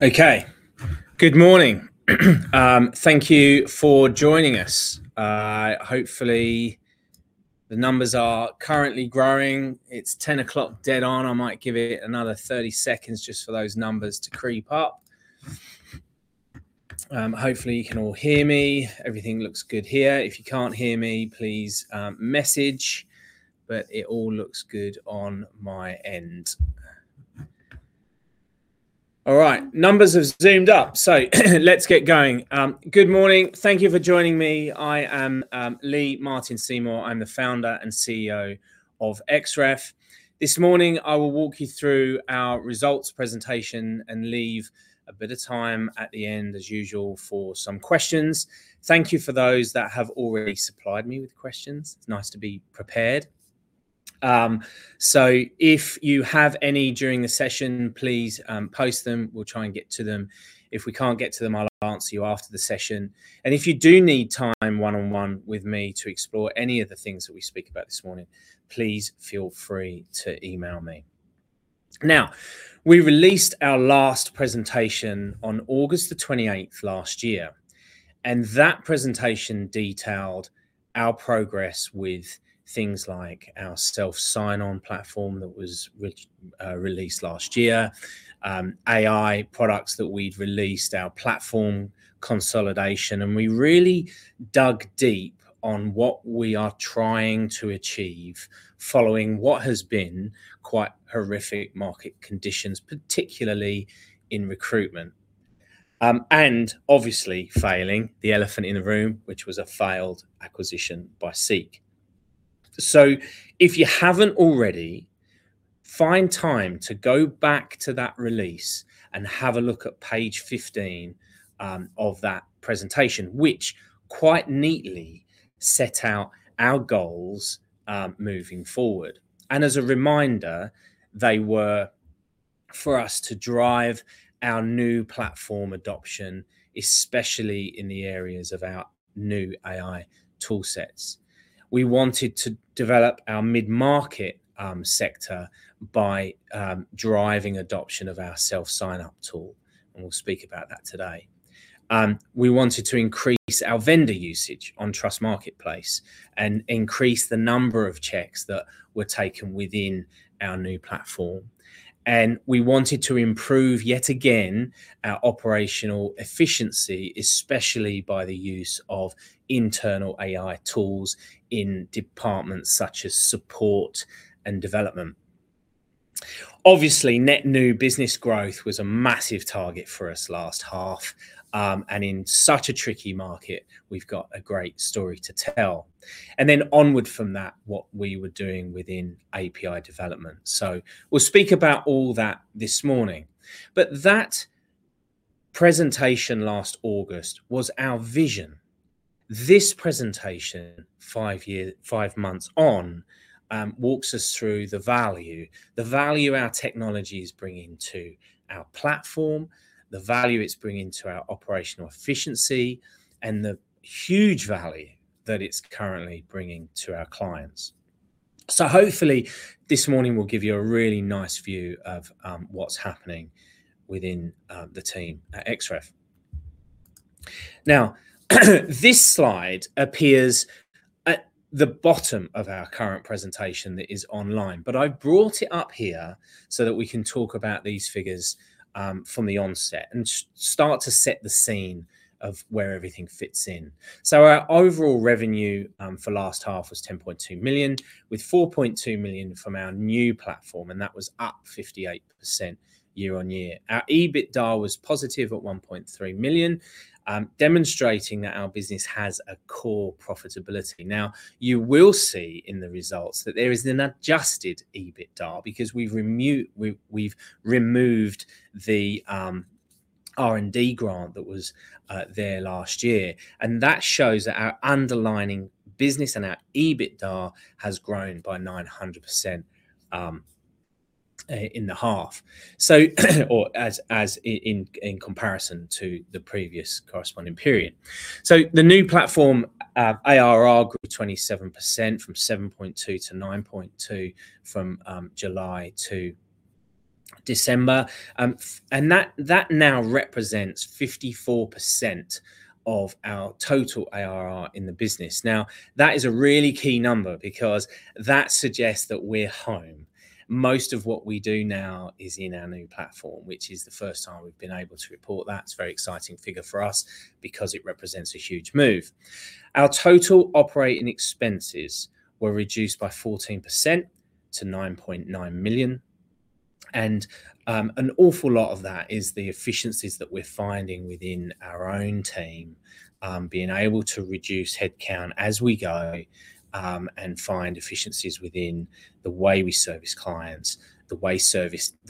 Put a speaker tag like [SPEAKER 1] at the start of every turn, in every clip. [SPEAKER 1] Okay. Good morning. Thank you for joining us. Hopefully, the numbers are currently growing. It's 10:00 A.M. dead on. I might give it another 30 seconds just for those numbers to creep up. Hopefully you can all hear me. Everything looks good here. If you can't hear me, please message, but it all looks good on my end. All right. Numbers have zoomed up, let's get going. Good morning. Thank you for joining me. I am Lee-Martin Seymour. I'm the Founder and CEO of Xref. This morning, I will walk you through our results presentation and leave a bit of time at the end, as usual, for some questions. Thank you for those that have already supplied me with questions. It's nice to be prepared. If you have any during the session, please post them. We'll try and get to them. If we can't get to them, I'll answer you after the session. If you do need time one-on-one with me to explore any of the things that we speak about this morning, please feel free to email me. Now, we released our last presentation on 28th August last-year, and that presentation detailed our progress with things like our self sign-on platform that was released last-year, AI products that we'd released, our platform consolidation. We really dug deep on what we are trying to achieve following what has been quite horrific market conditions, particularly in recruitment. Obviously failing, the elephant in the room, which was a failed acquisition by SEEK. If you haven't already, find time to go back to that release and have a look at page 15 of that presentation, which quite neatly set out our goals moving forward. As a reminder, they were for us to drive our new platform adoption, especially in the areas of our new AI tool sets. We wanted to develop our mid-market sector by driving adoption of our self sign-up tool, and we'll speak about that today. We wanted to increase our vendor usage on Trust Marketplace and increase the number of checks that were taken within our new platform. We wanted to improve, yet again, our operational efficiency, especially by the use of internal AI tools in departments such as support and development. Obviously, net new business growth was a massive target for us last half. In such a tricky market, we've got a great story to tell. Then onward from that, what we were doing within API development. We'll speak about all that this morning. That presentation last August was our vision. This presentation, five months on, walks us through the value, the value our technology is bringing to our platform, the value it's bringing to our operational efficiency, and the huge value that it's currently bringing to our clients. Hopefully this morning will give you a really nice view of what's happening within the team at Xref. This slide appears at the bottom of our current presentation that is online, but I brought it up here so that we can talk about these figures from the onset and start to set the scene of where everything fits in. Our overall revenue for last half was 10.2 million, with 4.2 million from our new platform, and that was up 58% year on year. Our EBITDA was positive at 1.3 million, demonstrating that our business has a core profitability. Now, you will see in the results that there is an adjusted EBITDA because we've removed the R&D grant that was there last-year, and that shows that our underlying business and our EBITDA has grown by 900% in the half. In comparison to the previous corresponding period. The new platform ARR grew 27% from 7.2 million to 9.2 million from July to December. And that now represents 54% of our total ARR in the business. That is a really key number because that suggests that we're home. Most of what we do now is in our new platform, which is the first time we've been able to report that. It's a very exciting figure for us because it represents a huge move. Our total operating expenses were reduced by 14% to 9.9 million. An awful lot of that is the efficiencies that we're finding within our own team, being able to reduce headcount as we go, and find efficiencies within the way we service clients, the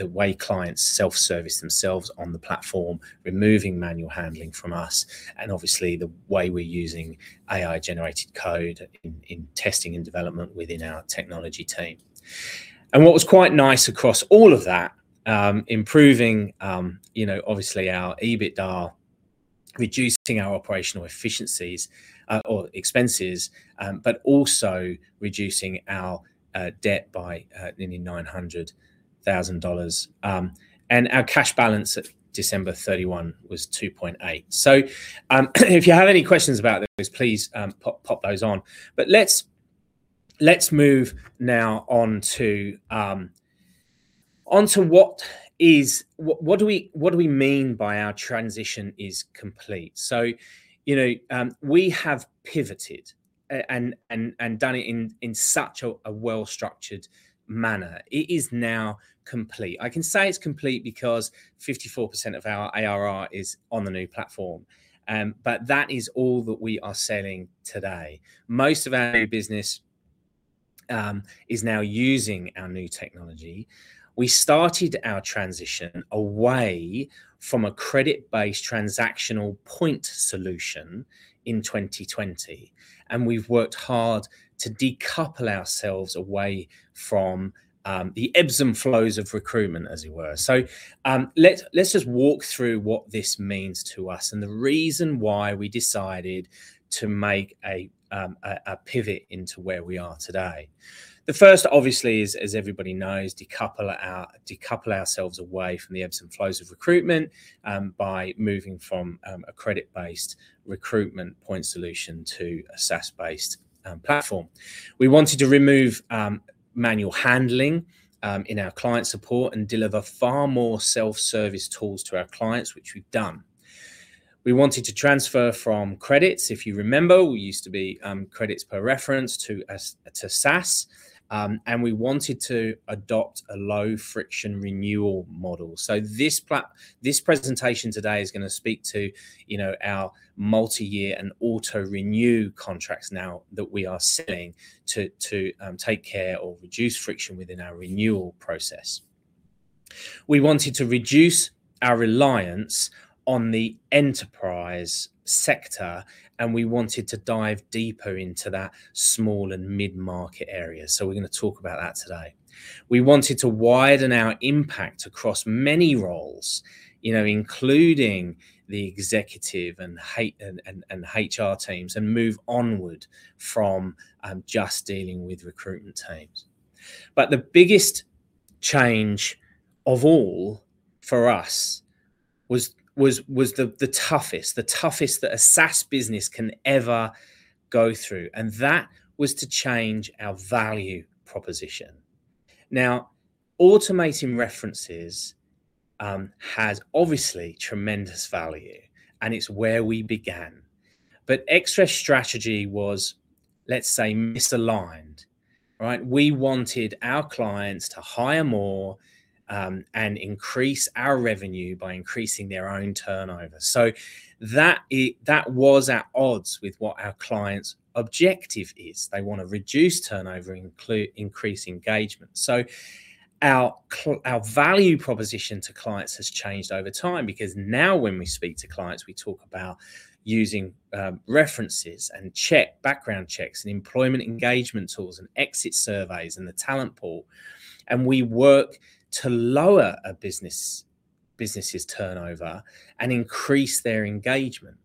[SPEAKER 1] way clients self-service themselves on the platform, removing manual handling from us, and obviously the way we're using AI-generated code in testing and development within our technology team. What was quite nice across all of that, improving, you know, obviously our EBITDA Reducing our operational efficiencies or expenses, but also reducing our debt by nearly $900,000. Our cash balance at 31 December was 2.8 million. If you have any questions about this, please pop those on. Let's move now on to what do we mean by our transition is complete? You know, we have pivoted and done it in such a well-structured manner. It is now complete. I can say it's complete because 54% of our ARR is on the new platform. That is all that we are selling today. Most of our new business is now using our new technology. We started our transition away from a credit-based transactional point solution in 2020, and we've worked hard to decouple ourselves away from the ebbs and flows of recruitment, as it were. Let's just walk through what this means to us and the reason why we decided to make a pivot into where we are today. The first obviously is, as everybody knows, decouple ourselves away from the ebbs and flows of recruitment by moving from a credit-based recruitment point solution to a SaaS-based platform. We wanted to remove manual handling in our client support and deliver far more self-service tools to our clients, which we've done. We wanted to transfer from credits, if you remember, we used to be credits per reference to SaaS. We wanted to adopt a low-friction renewal model. This presentation today is gonna speak to, you know, our multi-year and auto renew contracts now that we are selling to take care or reduce friction within our renewal process. We wanted to reduce our reliance on the enterprise sector. We wanted to dive deeper into that small and mid-market area. We're gonna talk about that today. We wanted to widen our impact across many roles, you know, including the executive and HR teams, and move onward from just dealing with recruitment teams. The biggest change of all for us was the toughest that a SaaS business can ever go through, and that was to change our value proposition. Automating references has obviously tremendous value, and it's where we began. Xref strategy was, let's say, misaligned, right? We wanted our clients to hire more and increase our revenue by increasing their own turnover. That was at odds with what our client's objective is. They wanna reduce turnover, increase engagement. Our value proposition to clients has changed over-time, because now when we speak to clients, we talk about using references and background checks and employment engagement tools and exit surveys and the talent pool, and we work to lower a business' turnover and increase their engagement.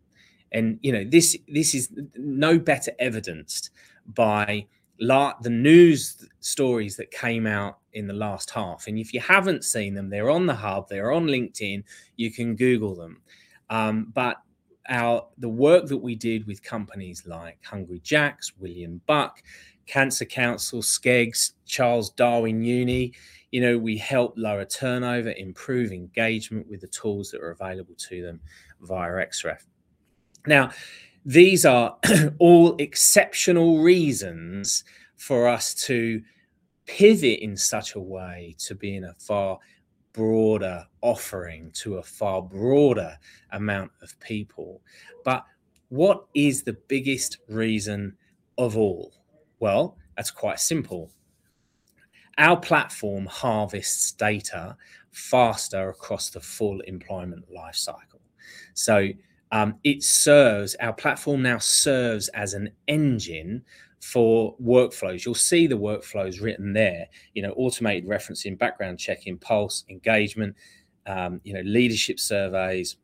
[SPEAKER 1] You know, this is no better evidenced by the news stories that came out in the last half, and if you haven't seen them, they're on the hub, they're on LinkedIn, you can Google them. The work that we did with companies like Hungry Jack's, William Buck, Cancer Council, Skeggs, Charles Darwin Uni, you know, we helped lower turnover, improve engagement with the tools that are available to them via Xref. Now, these are all exceptional reasons for us to pivot in such a way to be in a far broader offering to a far broader amount of people. What is the biggest reason of all? Well, that's quite simple. Our platform harvests data faster across the full employment life cycle. Our platform now serves as an engine for workflows. You'll see the workflows written there. You know, automated referencing, background checking, pulse engagement, leadership surveys,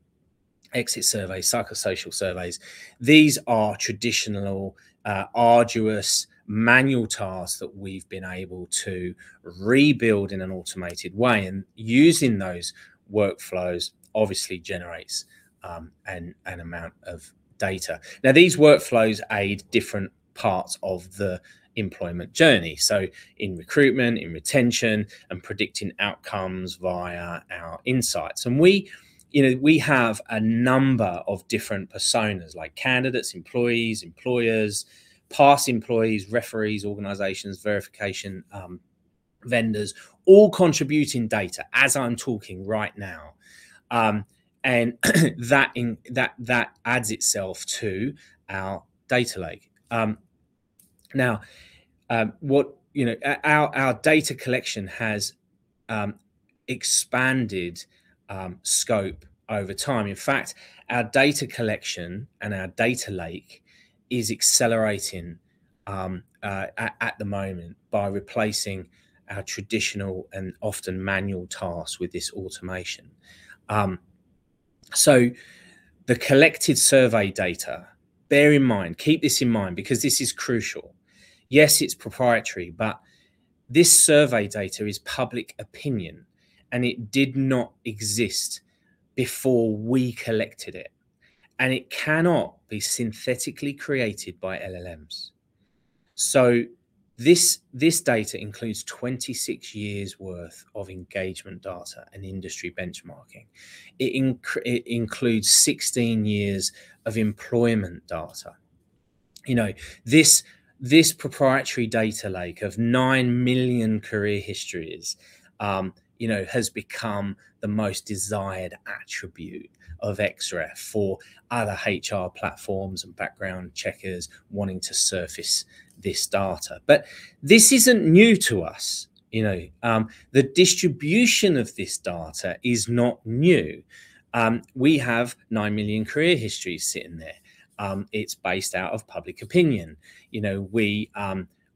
[SPEAKER 1] exit surveys, psychosocial surveys. These are traditional, arduous manual tasks that we've been able to rebuild in an automated way. Using those workflows obviously generates an amount of data. Now, these workflows aid different parts of the employment journey, so in recruitment, in retention, and predicting outcomes via our insights. We have a number of different personas like candidates, employees, employers, past employees, referees, organizations, verification, vendors, all contributing data as I'm talking right now. That adds itself to our data lake. Now, our data collection has expanded scope over time. In fact, our data collection and our data lake is accelerating at the moment by replacing our traditional and often manual tasks with this automation. The collected survey data, bear in mind, keep this in mind because this is crucial. Yes, it's proprietary, but this survey data is public opinion, and it did not exist before we collected it, and it cannot be synthetically created by LLMs. This data includes 26 years worth of engagement data and industry benchmarking. It includes 16 years of employment data. You know, this proprietary data lake of nine million career histories, you know, has become the most desired attribute of Xref for other HR platforms and background checkers wanting to surface this data. This isn't new to us. You know, the distribution of this data is not new. We have 9 million career histories sitting there. It's based out of public opinion. You know,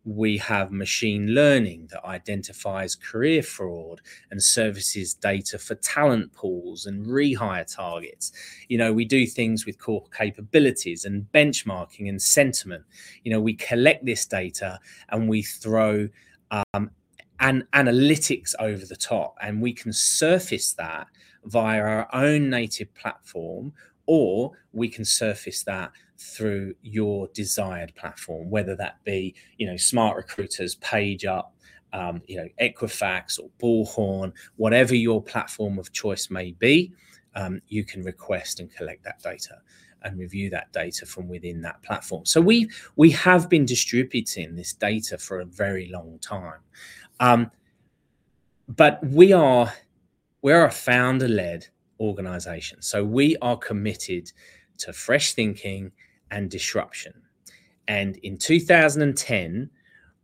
[SPEAKER 1] we have machine learning that identifies career fraud and services data for talent pools and rehire targets. You know, we do things with core capabilities and benchmarking and sentiment. You know, we collect this data, and we throw analytics over the top, and we can surface that via our own native platform, or we can surface that through your desired platform, whether that be, you know, SmartRecruitersPageUp, you know, Equifax or Bullhorn. Whatever your platform of choice may be, you can request and collect that data and review that data from within that platform. We have been distributing this data for a very long time. We are a founder-led organization, so we are committed to fresh thinking and disruption. In 2010,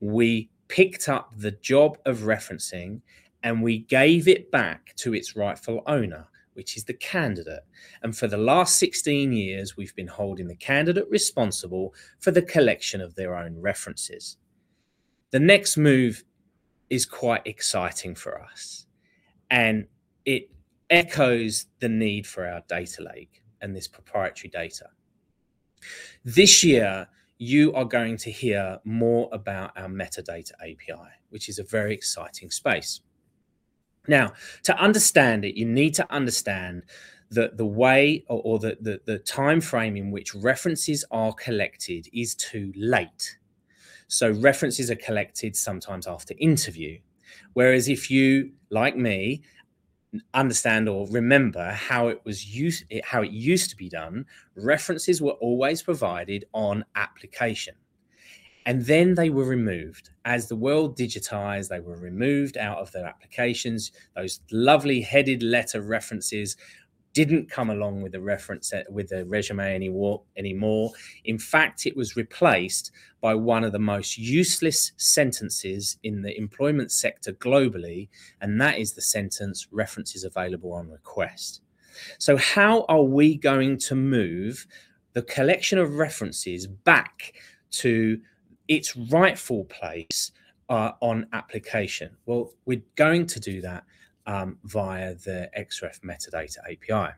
[SPEAKER 1] we picked up the job of referencing, and we gave it back to its rightful owner, which is the candidate. For the last 16 years, we've been holding the candidate responsible for the collection of their own references. The next move is quite exciting for us, and it echoes the need for our data lake and this proprietary data. This year, you are going to hear more about our metadata API, which is a very exciting space. Now, to understand it, you need to understand that the way or the timeframe in which references are collected is too late. References are collected sometimes after interview, whereas if you, like me, understand or remember how it used to be done, references were always provided on application. Then they were removed. As the world digitized, they were removed out of their applications. Those lovely headed letter references didn't come along with a reference with a resume anymore. It was replaced by one of the most useless sentences in the employment sector globally, and that is the sentence, "References available on request." How are we going to move the collection of references back to its rightful place on application? We're going to do that via the Xref metadata API,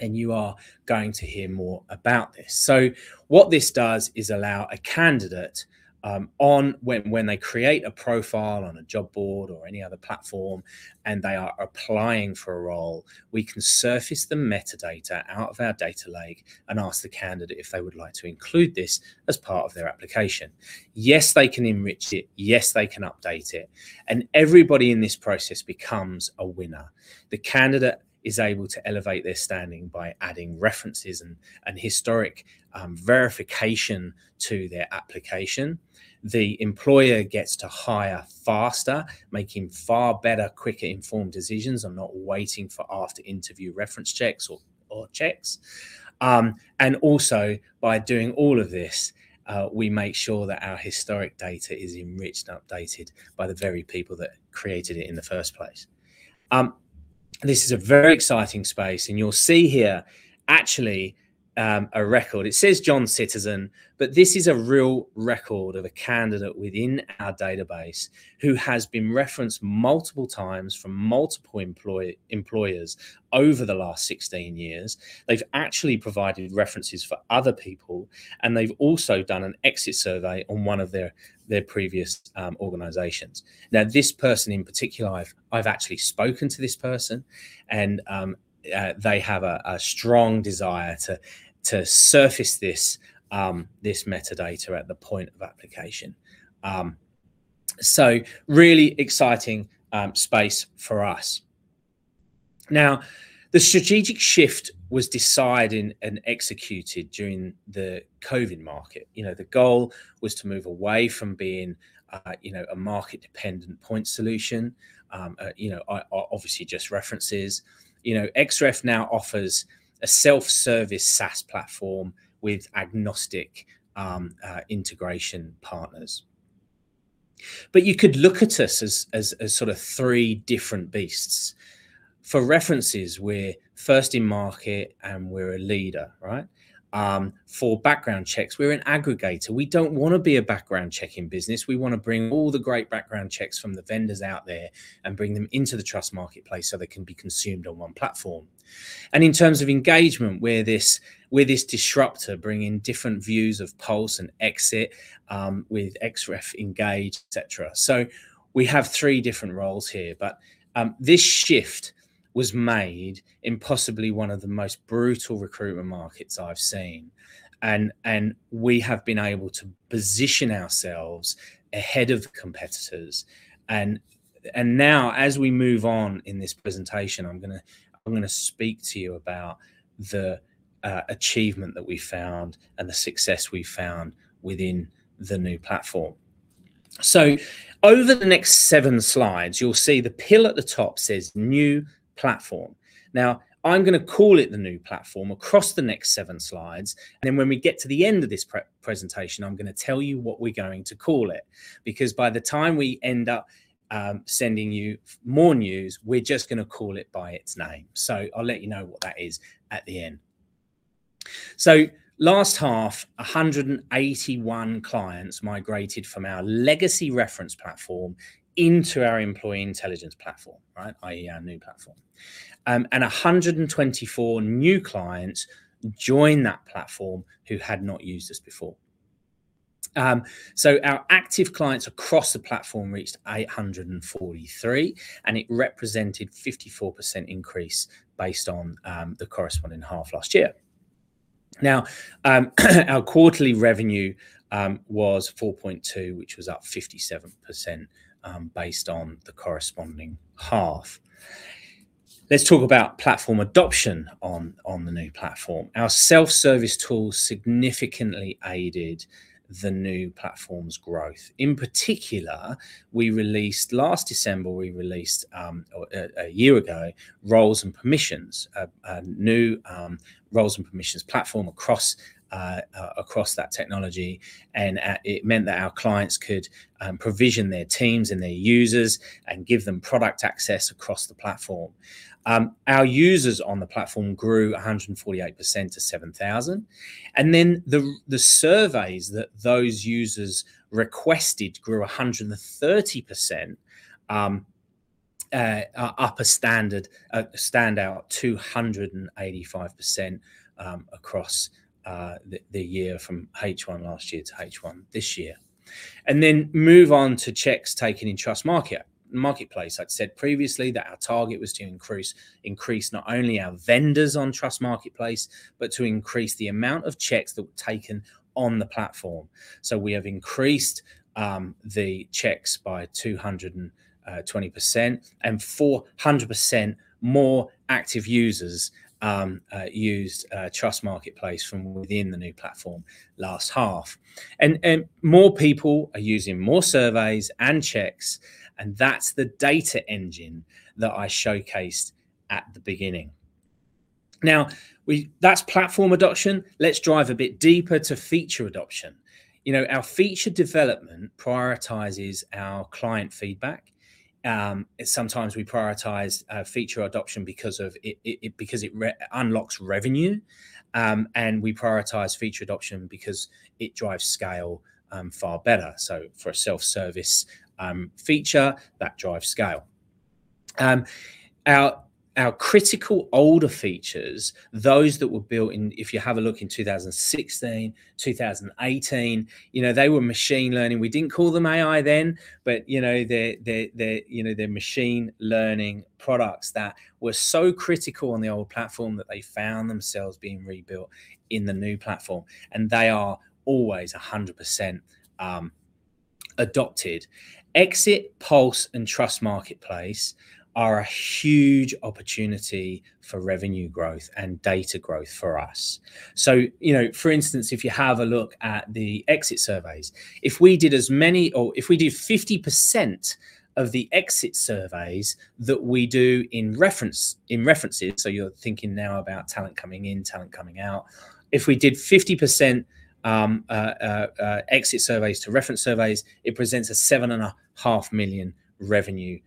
[SPEAKER 1] and you are going to hear more about this. What this does is allow a candidate, on when they create a profile on a job board or any other platform, and they are applying for a role, we can surface the metadata out of our data lake and ask the candidate if they would like to include this as part of their application. Yes, they can enrich it. Yes, they can update it, and everybody in this process becomes a winner. The candidate is able to elevate their standing by adding references and historic verification to their application. The employer gets to hire faster, making far better, quicker informed decisions and not waiting for after-interview reference checks or checks. Also by doing all of this, we make sure that our historic data is enriched and updated by the very people that created it in the first place. This is a very exciting space, and you'll see here actually, a record. It says John Citizen, but this is a real record of a candidate within our database who has been referenced multiple times from multiple employers over the last 16 years. They've actually provided references for other people, and they've also done an exit survey on one of their previous organizations. Now, this person in particular, I've actually spoken to this person, and they have a strong desire to surface this metadata at the point of application. Really exciting space for us. Now, the strategic shift was decided and executed during the COVID market. You know, the goal was to move away from being, you know, a market-dependent point solution. You know, obviously just references. You know, Xref now offers a self-service SaaS platform with agnostic integration partners. You could look at us as sort of three different beasts. For references, we're first in market, and we're a leader, right? For background checks, we're an aggregator. We don't wanna be a background checking business. We wanna bring all the great background checks from the vendors out there and bring them into the Trust Marketplace so they can be consumed on one platform. In terms of engagement, we're this disruptor bringing different views of pulse and exit with Xref Engage, et cetera. We have three different roles here. This shift was made in possibly one of the most brutal recruitment markets I've seen, and we have been able to position ourselves ahead of competitors. Now as we move on in this presentation, I'm gonna speak to you about the achievement that we found and the success we found within the new platform. Over the next seven slides, you'll see the pill at the top says new platform. I'm gonna call it the new platform across the next seven slides, and then when we get to the end of this presentation, I'm gonna tell you what we're going to call it because by the time we end up sending you more news, we're just gonna call it by its name. I'll let you know what that is at the end. Last half, 181 clients migrated from our legacy reference platform into our employee intelligence platform, right, i.e., our new platform. 124 new clients joined that platform who had not used us before. Our active clients across the platform reached 843, and it represented 54% increase based on the corresponding half last-year. Our quarterly revenue was 4.2, which was up 57% based on the corresponding half. Let's talk about platform adoption on the new platform. Our self-service tools significantly aided the new platform's growth. In particular, last December, we released a new roles and permissions platform across that technology, and it meant that our clients could provision their teams and their users and give them product access across the platform. Our users on the platform grew 148% to 7,000, the surveys that those users requested grew 130%, a standout 285%, across the year from H1 last-year to H1 this year. Move on to checks taken in Trust Marketplace. I'd said previously that our target was to increase not only our vendors on Trust Marketplace but to increase the amount of checks that were taken on the platform. We have increased the checks by 220%, and 400% more active users used Trust Marketplace from within the new platform last half. More people are using more surveys and checks, and that's the data engine that I showcased at the beginning. Now, that's platform adoption. Let's dive a bit deeper to feature adoption. You know, our feature development prioritizes our client feedback. Sometimes we prioritize feature adoption because of it, because it re-unlocks revenue, and we prioritize feature adoption because it drives scale far better. For a self-service feature, that drives scale. Our critical older features, those that were built in, if you have a look in 2016, 2018, you know, they were machine learning. We didn't call them AI then, you know, they're machine learning products that were so critical on the old platform that they found themselves being rebuilt in the new platform, and they are always 100% adopted. Exit, Pulse, and Trust Marketplace are a huge opportunity for revenue growth and data growth for us. You know, for instance, if you have a look at the exit surveys, if we did as many or if we did 50% of the exit surveys that we do in references, so you're thinking now about talent coming in, talent coming out. If we did 50% exit surveys to reference surveys, it presents a 7.5 million revenue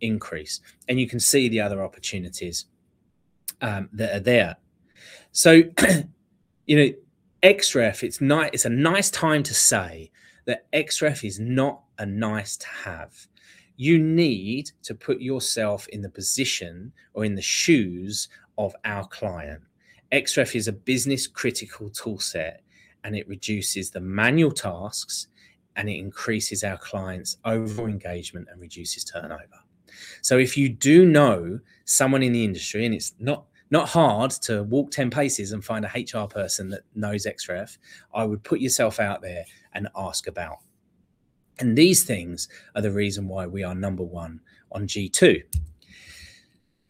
[SPEAKER 1] increase, and you can see the other opportunities that are there. You know, Xref, it's a nice time to say that Xref is not a nice to have. You need to put yourself in the position or in the shoes of our client. Xref is a business-critical tool set, and it reduces the manual tasks, and it increases our clients' overall engagement and reduces turnover. If you do know someone in the industry, and it's not hard to walk 10 paces and find an HR person that knows Xref, I would put yourself out there and ask about. These things are the reason why we are number one on G2.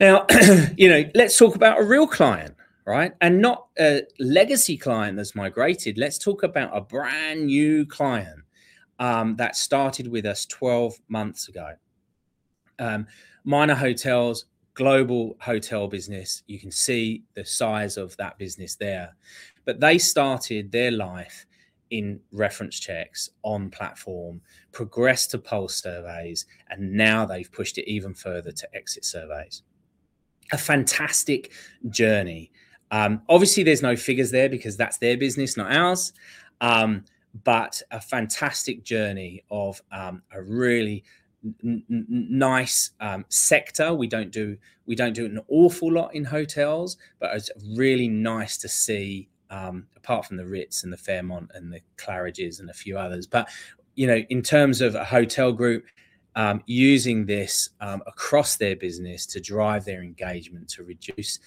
[SPEAKER 1] Now, you know, let's talk about a real client, right, and not a legacy client that's migrated. Let's talk about a brand-new client that started with us 12 months ago. Minor Hotels, global hotel business. You can see the size of that business there. They started their life in reference checks on platform, progressed to pulse surveys, and now they've pushed it even further to exit surveys. A fantastic journey. Obviously there's no figures there because that's their business, not ours. A fantastic journey of a really nice sector. We don't do an awful lot in hotels, but it's really nice to see, apart from The Ritz and the Fairmont and the Claridge's and a few others. You know, in terms of a hotel group, using this across their business to drive their engagement to reduce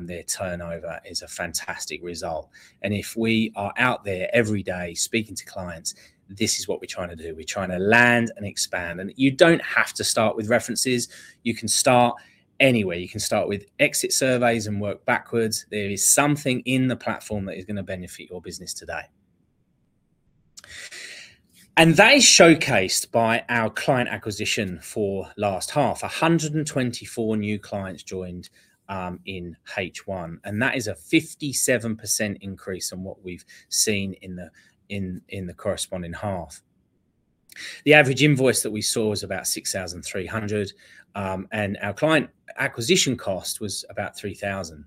[SPEAKER 1] their turnover is a fantastic result. If we are out there every day speaking to clients, this is what we're trying to do. We're trying to land and expand. You don't have to start with references. You can start anywhere. You can start with exit surveys and work backwards. There is something in the platform that is gonna benefit your business today. That is showcased by our client acquisition for last half. 124 new clients joined in H1, and that is a 57% increase on what we've seen in the corresponding half. The average invoice that we saw was about 6,300, and our client acquisition cost was about 3,000.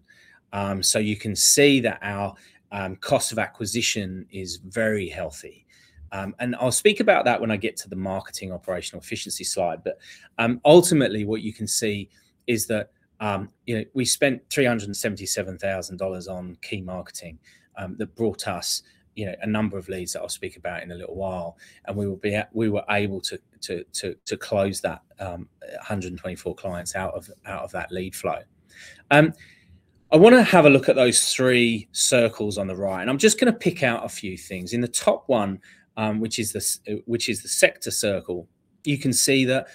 [SPEAKER 1] You can see that our cost of acquisition is very healthy. I'll speak about that when I get to the marketing operational efficiency slide. Ultimately, what you can see is that, you know, we spent $377,000 on key marketing that brought us, you know, a number of leads that I'll speak about in a little while. We were able to close that, 124 clients out of that lead flow. I wanna have a look at those three circles on the right, and I'm just gonna pick out a few things. In the top one, which is the sector circle, you can see that,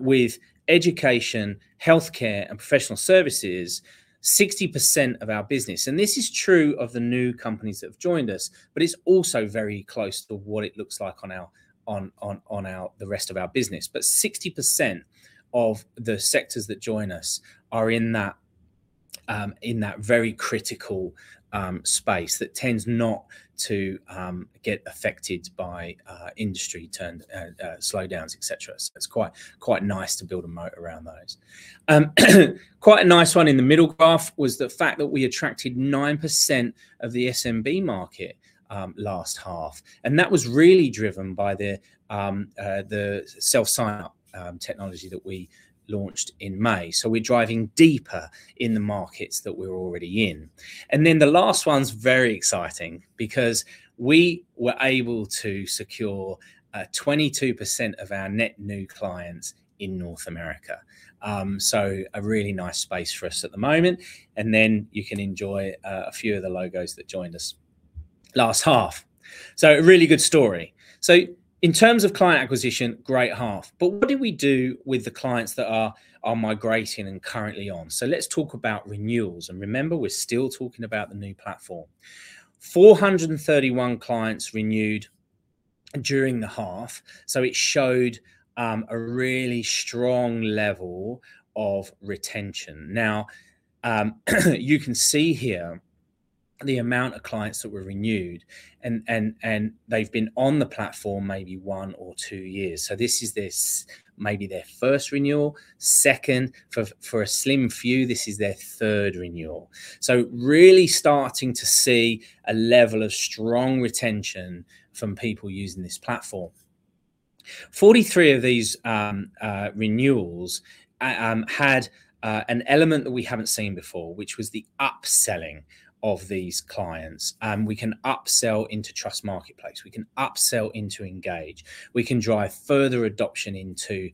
[SPEAKER 1] with education, healthcare, and professional services, 60% of our business, and this is true of the new companies that have joined us, it's also very close to what it looks like on our, the rest of our business. 60% of the sectors that join us are in that, in that very critical space that tends not to get affected by industry trend slowdowns, et cetera. It's quite nice to build a moat around those. A nice one in the middle graph was the fact that we attracted 9% of the SMB market last half. That was really driven by the self-sign-up technology that we launched in May. We're driving deeper in the markets that we're already in. The last one's very exciting because we were able to secure 22% of our net new clients in North America. A really nice space for us at the moment, and then you can enjoy a few of the logos that joined us last half. A really good story. In terms of client acquisition, great half. What do we do with the clients that are migrating and currently on? Let's talk about renewals, and remember we're still talking about the new platform. 431 clients renewed during the half, so it showed a really strong level of retention. You can see here the amount of clients that were renewed and they've been on the platform maybe one or two years. This is maybe their first renewal, second, for a slim few this is their third renewal. Really starting to see a level of strong retention from people using this platform. 43 of these renewals had an element that we haven't seen before, which was the upselling of these clients. We can upsell into Trust Marketplace. We can upsell into Engage. We can drive further adoption into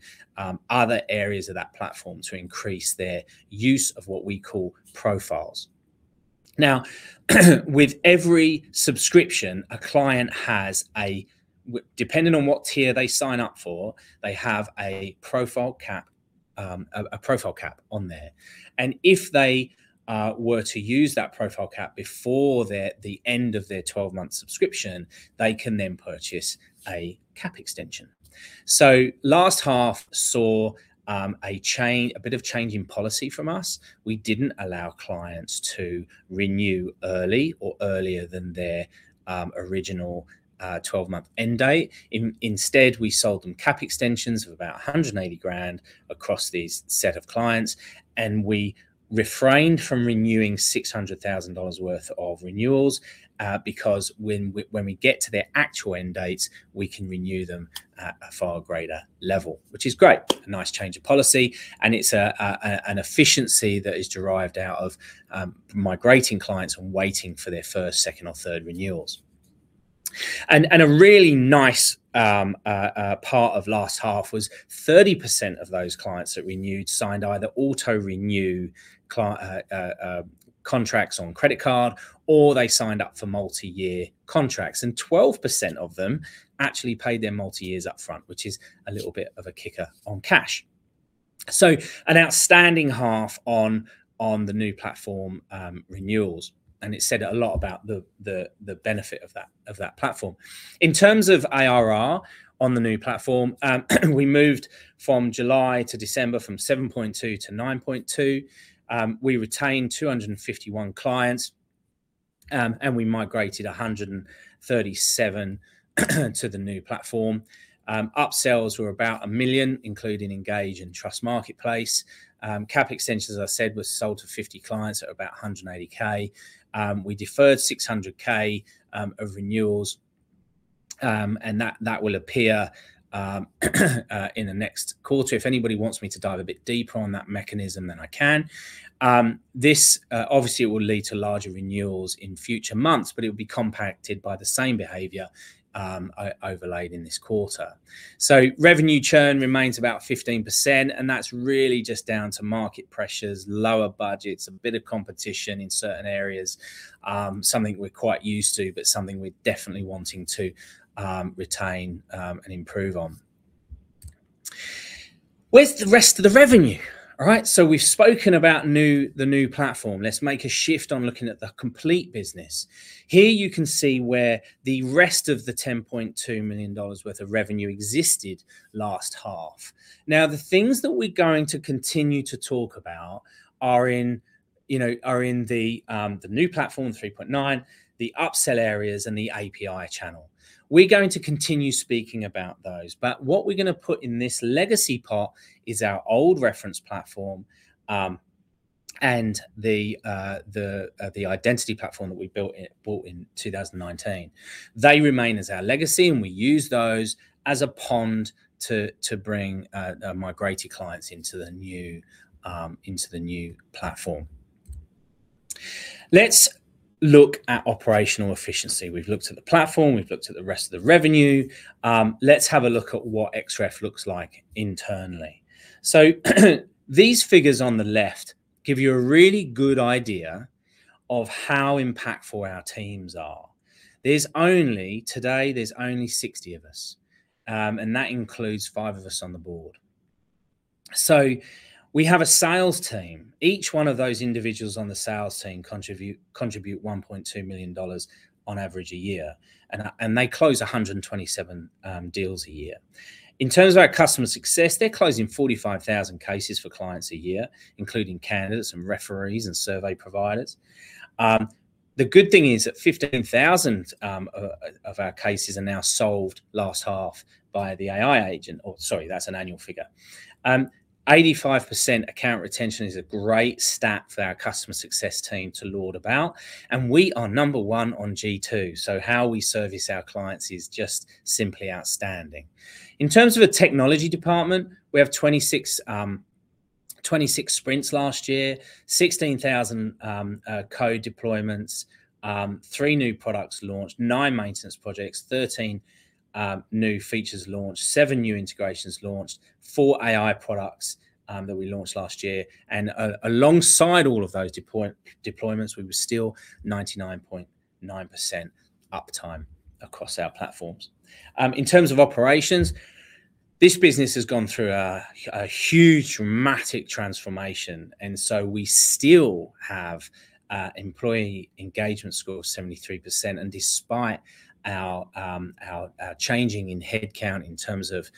[SPEAKER 1] other areas of that platform to increase their use of what we call profiles. With every subscription, a client has a depending on what tier they sign up for, they have a profile cap on there, and if they were to use that profile cap before the end of their 12 months subscription, they can then purchase a cap extension. Last half saw a bit of change in policy from us. We didn't allow clients to renew early or earlier than their original 12 months end date. Instead, we sold them cap extensions of about 180,000 across these set of clients, and we refrained from renewing 600,000 dollars worth of renewals because when we get to their actual end dates, we can renew them at a far greater level, which is great. A nice change of policy, it's an efficiency that is derived out of migrating clients and waiting for their first, second, or third renewals. A really nice part of last half was 30% of those clients that renewed signed either auto-renew contracts on credit card, or they signed up for multiyear contracts, and 12% of them actually paid their multiyears up front, which is a little bit of a kicker on cash. An outstanding half on the new platform, renewals. It said a lot about the benefit of that platform. In terms of ARR on the new platform, we moved from July to December from 7.2 to 9.2. We retained 251 clients, and we migrated 137 to the new platform. Upsells were about 1 million, including Engage and Trust Marketplace. Cap extensions, as I said, was sold to 50 clients at about 180K. We deferred 600K of renewals, and that will appear in the next quarter. If anybody wants me to dive a bit deeper on that mechanism, then I can. This obviously it will lead to larger renewals in future months, but it'll be compacted by the same behavior overlaid in this quarter. Revenue churn remains about 15%, and that's really just down to market pressures, lower budgets, a bit of competition in certain areas, something we're quite used to, but something we're definitely wanting to retain and improve on. Where's the rest of the revenue? All right. We've spoken about the new platform. Let's make a shift on looking at the complete business. Here you can see where the rest of the 10.2 million dollars worth of revenue existed last half. The things that we're going to continue to talk about are in, you know, are in the new platform, 3.9 million, the upsell areas and the API channel. We're going to continue speaking about those. What we're gonna put in this legacy part is our old reference platform, and the identity platform that we bought in 2019. They remain as our legacy, and we use those as a pond to bring migrated clients into the new platform. Let's look at operational efficiency. We've looked at the platform, we've looked at the rest of the revenue. Let's have a look at what Xref looks like internally. These figures on the left give you a really good idea of how impactful our teams are. Today, there's only 60 of us, and that includes five of us on the board. We have a sales team. Each one of those individuals on the sales team contribute 1.2 million dollars on average a year, they close 127 deals a year. In terms of our customer success, they're closing 45,000 cases for clients a year, including candidates and referees and survey providers. The good thing is that 15,000 of our cases are now solved last half by the AI agent. Sorry, that's an annual figure. 85% account retention is a great stat for our customer success team to laud about, and we are number one on G2, so how we service our clients is just simply outstanding. In terms of a technology department, we have 26 sprints last-year, 16,000 code deployments, three new products launched, nine maintenance projects, 13 new features launched, seven new integrations launched, four AI products that we launched last-year. Alongside all of those deployments, we were still 99.9% uptime across our platforms. In terms of operations, this business has gone through a huge dramatic transformation, we still have a employee engagement score of 73%, and despite our changing in headcount in terms of,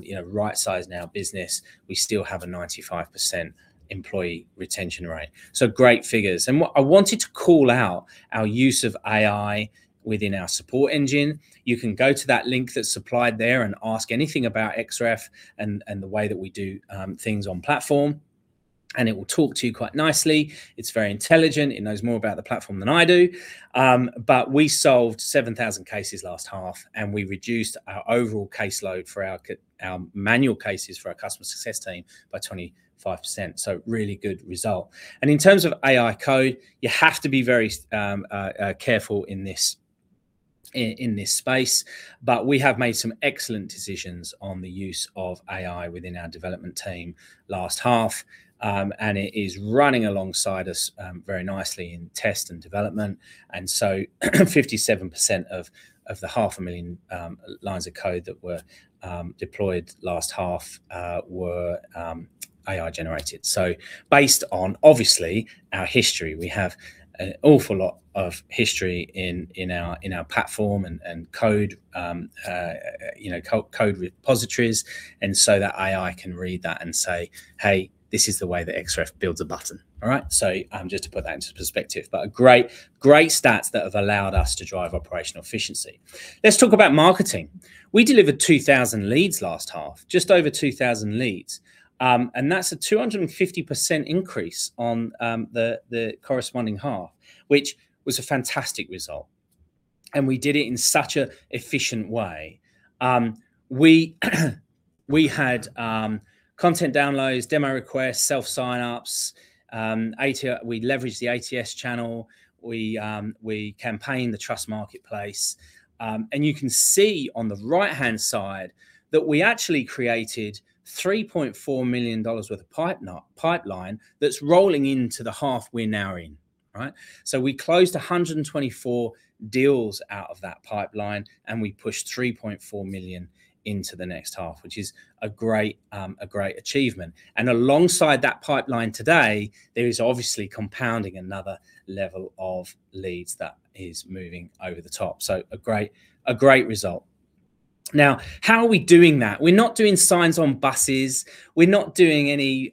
[SPEAKER 1] you know, right sizing our business, we still have a 95% employee retention rate. Great figures. What I wanted to call out, our use of AI within our support engine. You can go to that link that's supplied there and ask anything about Xref and the way that we do things on platform. It will talk to you quite nicely. It's very intelligent. It knows more about the platform than I do. We solved 7,000 cases last half, and we reduced our overall caseload for our manual cases for our customer success team by 25%. Really good result. In terms of AI code, you have to be very careful in this space. We have made some excellent decisions on the use of AI within our development team last half. It is running alongside us very nicely in test and development. Fifty-seven percent of the 500,000 lines of code that were deployed last half were AI generated. Based on obviously our history, we have an awful lot of history in our platform and code, you know, code repositories, and so that AI can read that and say, "Hey, this is the way that Xref builds a button." All right? Just to put that into perspective. Great stats that have allowed us to drive operational efficiency. Let's talk about marketing. We delivered 2,000 leads last half, just over 2,000 leads. That's a 250% increase on the corresponding half, which was a fantastic result. We did it in such a efficient way. We had content downloads, demo requests, self sign-ups. We leveraged the ATS channel. We campaigned the Trust Marketplace. You can see on the right-hand side that we actually created 3.4 million dollars worth of pipeline that's rolling into the half we're now in. Right? We closed 124 deals out of that pipeline, and we pushed 3.4 million into the next half, which is a great, a great achievement. Alongside that pipeline today, there is obviously compounding another level of leads that is moving over the top. A great, a great result. Now, how are we doing that? We're not doing signs on buses. We're not doing any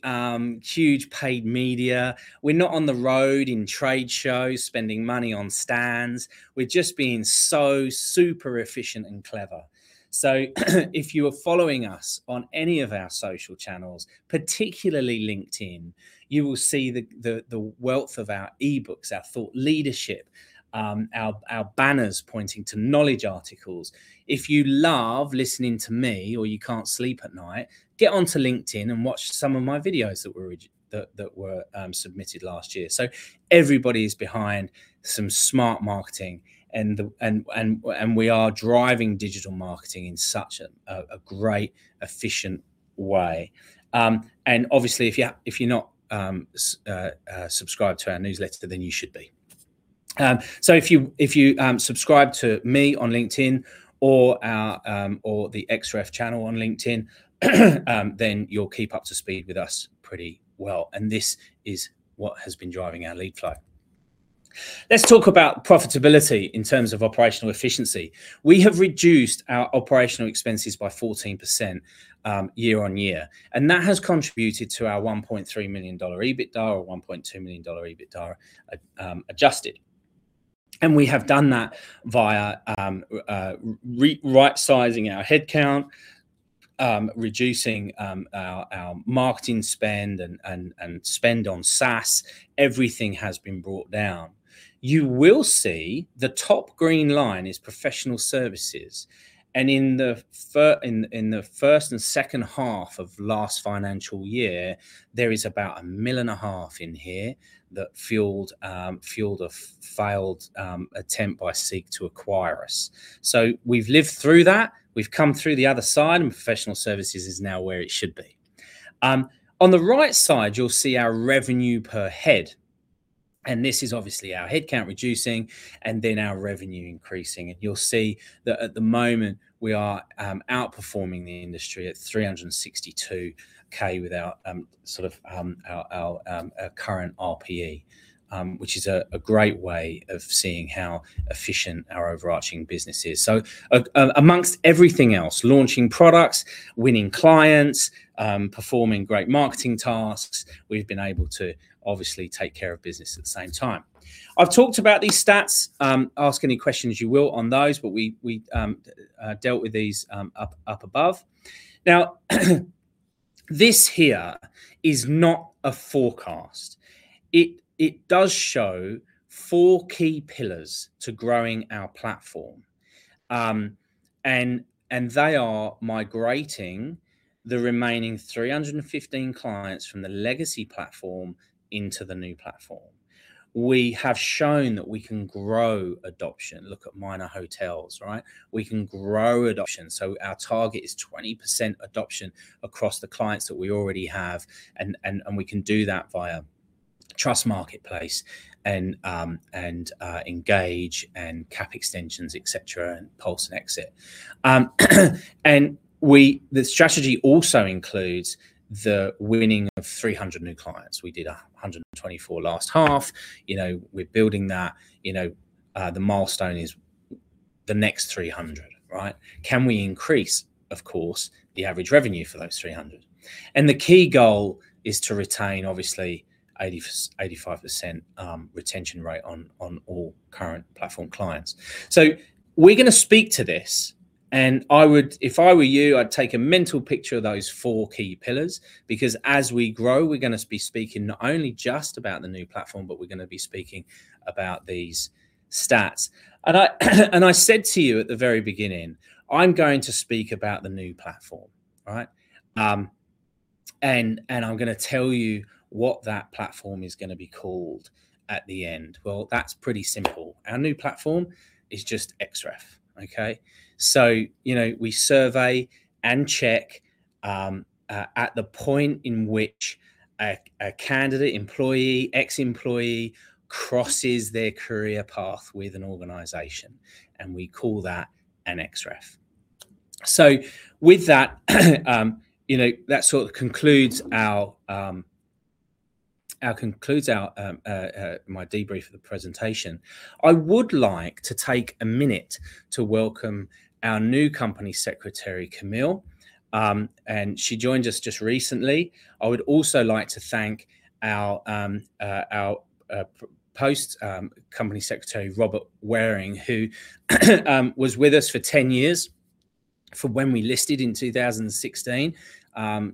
[SPEAKER 1] huge paid media. We're not on the road in trade shows, spending money on stands. We're just being so super efficient and clever. If you are following us on any of our social channels, particularly LinkedIn, you will see the wealth of our e-books, our thought leadership, our banners pointing to knowledge articles. If you love listening to me or you can't sleep at night, get onto LinkedIn and watch some of my videos that were submitted last-year. Everybody is behind some smart marketing, and we are driving digital marketing in such a great, efficient way. Obviously, if you're not subscribed to our newsletter, then you should be. If you subscribe to me on LinkedIn or our or the Xref channel on LinkedIn, then you'll keep up to speed with us pretty well. This is what has been driving our lead flow. Let's talk about profitability in terms of operational efficiency. We have reduced our operational expenses by 14% year-on-year, and that has contributed to our 1.3 million dollar EBITDA or 1.2 million dollar EBITDA adjusted. We have done that via right-sizing our headcount, reducing our marketing spend and spend on SaaS. Everything has been brought down. You will see the top green line is professional services. In the first and second half of last financial year, there is about a million and a half in here that fueled a failed attempt by SEEK to acquire us. We've lived through that. We've come through the other side. Professional services is now where it should be. On the right side, you'll see our revenue per head, and this is obviously our headcount reducing and then our revenue increasing. You'll see that at the moment we are outperforming the industry at 362K with our sort of our current RPE, which is a great way of seeing how efficient our overarching business is. Amongst everything else, launching products, winning clients, performing great marketing tasks, we've been able to obviously take care of business at the same time. I've talked about these stats. Ask any questions you will on those, but we dealt with these up above. This here is not a forecast. It does show four key pillars to growing our platform. And they are migrating the remaining 315 clients from the legacy platform into the new platform. We have shown that we can grow adoption. Look at Minor Hotels, right? We can grow adoption. Our target is 20% adoption across the clients that we already have, and we can do that via Trust Marketplace and Engage and cap extensions, et cetera, and pulse and exit. The strategy also includes the winning of 300 new clients. We did 124 last half. You know, we're building that. You know, the milestone is the next 300, right? Can we increase, of course, the average revenue for those 300? The key goal is to retain obviously 80%-85% retention rate on all current platform clients. We're gonna speak to this, and if I were you, I'd take a mental picture of those four key pillars because as we grow, we're gonna be speaking not only just about the new platform, but we're gonna be speaking about these stats. I said to you at the very beginning, I'm going to speak about the new platform, right? I'm gonna tell you what that platform is gonna be called at the end. Well, that's pretty simple. Our new platform is just Xref. Okay? You know, we survey and check at the point in which a candidate employee, ex-employee crosses their career path with an organization, and we call that an Xref. With that, you know, that sort of concludes our my debrief of the presentation. I would like to take a minute to welcome our new Company Secretary, Camille, and she joined us just recently. I would also like to thank our post Company Secretary, Robert Waring, who was with us for 10 years, from when we listed in 2016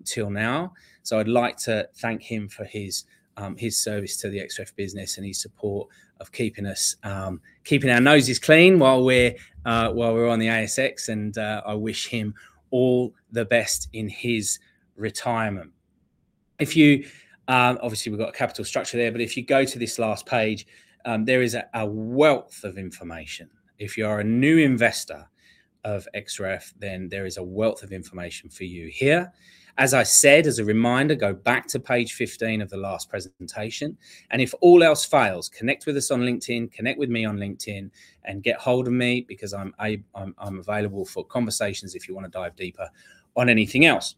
[SPEAKER 1] till now. I'd like to thank him for his service to the Xref business and his support of keeping us keeping our noses clean while we're on the ASX, and I wish him all the best in his retirement. If you obviously we've got a capital structure there, but if you go to this last page, there is a wealth of information. If you are a new investor of Xref, there is a wealth of information for you here. As I said, as a reminder, go back to page 15 of the last presentation, and if all else fails, connect with us on LinkedIn, connect with me on LinkedIn and get hold of me because I'm available for conversations if you wanna dive deeper on anything else.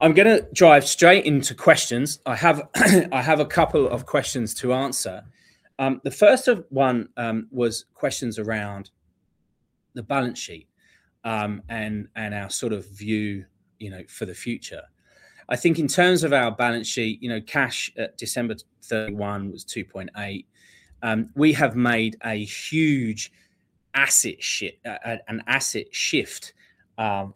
[SPEAKER 1] I'm gonna drive straight into questions. I have a couple of questions to answer. The first of one was questions around the balance sheet and our sort of view, you know, for the future. I think in terms of our balance sheet, you know, cash at 31 December was 2.8. We have made a huge asset shift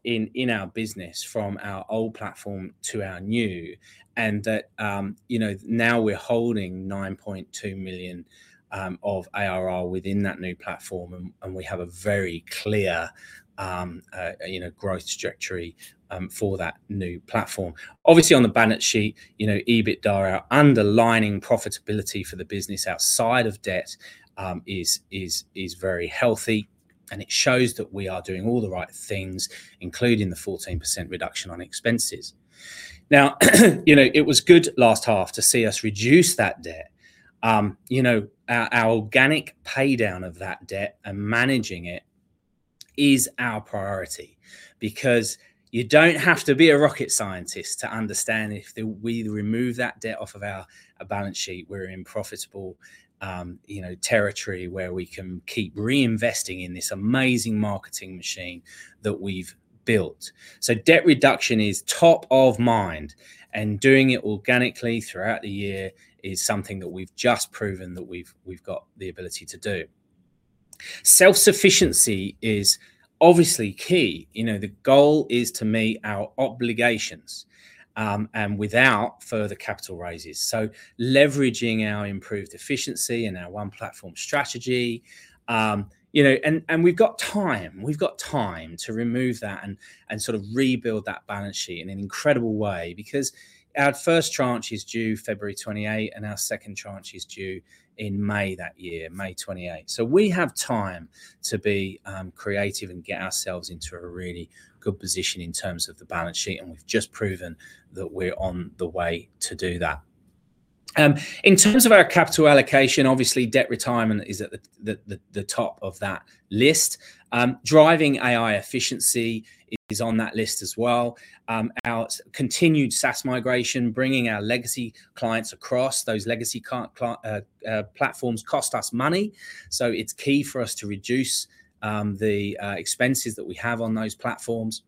[SPEAKER 1] in our business from our old platform to our new and that, you know, now we're holding 9.2 million of ARR within that new platform and we have a very clear, you know, growth trajectory for that new platform. Obviously, on the balance sheet, you know, EBITDA, our underlying profitability for the business outside of debt, is very healthy, and it shows that we are doing all the right things, including the 14% reduction on expenses. You know, it was good last half to see us reduce that debt. You know, our organic paydown of that debt and managing it is our priority because you don't have to be a rocket scientist to understand if we remove that debt off of our balance sheet, we're in profitable, you know, territory where we can keep reinvesting in this amazing marketing machine that we've built. Debt reduction is top of mind, and doing it organically throughout the year is something that we've just proven that we've got the ability to do. Self-sufficiency is obviously key. You know, the goal is to meet our obligations, and without further capital raises. Leveraging our improved efficiency and our one platform strategy, you know. We've got time to remove that and sort of rebuild that balance sheet in an incredible way because our first tranche is due February 2028, and our second tranche is due in May that year, May 2028. We have time to be creative and get ourselves into a really good position in terms of the balance sheet, and we've just proven that we're on the way to do that. In terms of our capital allocation, obviously debt retirement is at the top of that list. Driving AI efficiency is on that list as well. Our continued SaaS migration, bringing our legacy platforms cost us money, so it's key for us to reduce the expenses that we have on those platforms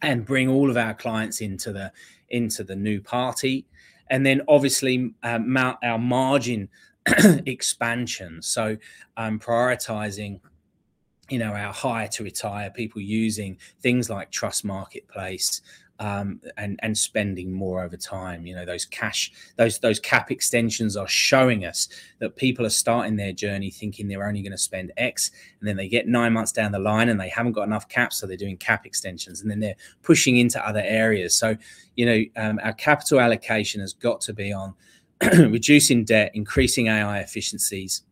[SPEAKER 1] and bring all of our clients into the, into the new party. Obviously, our margin expansion. Prioritizing, you know, our hire to retire, people using things like Trust Marketplace, and spending more over time. You know, those cash, those cap extensions are showing us that people are starting their journey thinking they're only gonna spend X, and then they get nine months down the line, and they haven't got enough cap, so they're doing cap extensions, and then they're pushing into other areas. You know, our capital allocation has got to be on reducing debt, increasing AI efficiencies,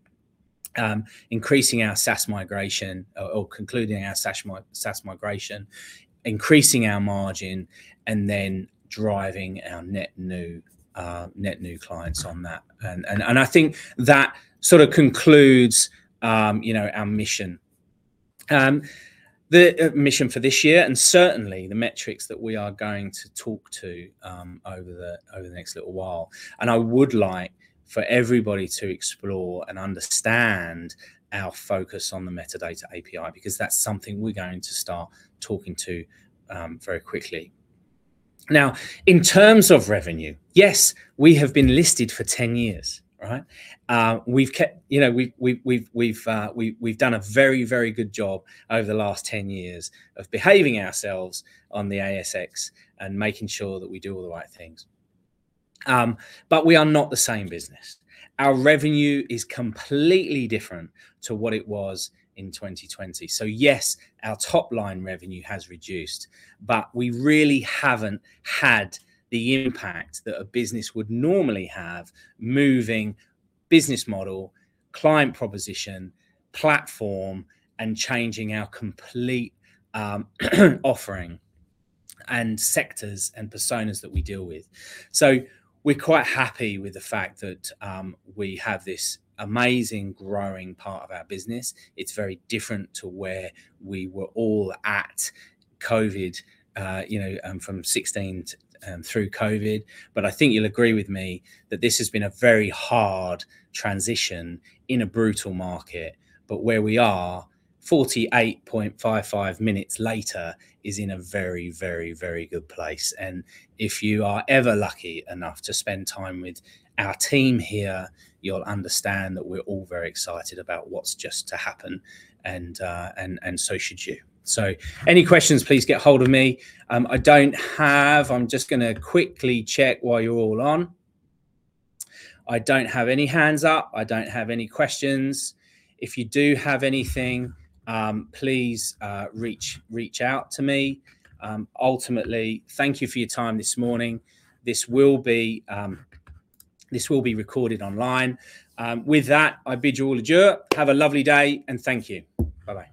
[SPEAKER 1] increasing our SaaS migration, or concluding our SaaS migration, increasing our margin, and then driving our net new net new clients on that. I think that sort of concludes, you know, our mission, the mission for this year and certainly the metrics that we are going to talk to over the next little while. I would like for everybody to explore and understand our focus on the metadata API, because that's something we're going to start talking to very quickly. In terms of revenue, yes, we have been listed for 10 years, right? you know, we've done a very, very good job over the last 10 years of behaving ourselves on the ASX and making sure that we do all the right things. We are not the same business. Our revenue is completely different to what it was in 2020. Yes, our top-line revenue has reduced, but we really haven't had the impact that a business would normally have moving business model, client proposition, platform, and changing our complete offering and sectors and personas that we deal with. We're quite happy with the fact that we have this amazing growing part of our business. It's very different to where we were all at COVID, you know, from 16 through COVID. I think you'll agree with me that this has been a very hard transition in a brutal market. Where we are 48.55 minutes later is in a very, very, very good place. If you are ever lucky enough to spend time with our team here, you'll understand that we're all very excited about what's just to happen, and so should you. Any questions, please get hold of me. I'm just gonna quickly check while you're all on. I don't have any hands up. I don't have any questions. If you do have anything, please reach out to me. Ultimately, thank you for your time this morning. This will be recorded online. With that, I bid you all adieu. Have a lovely day, and thank you. Bye-bye.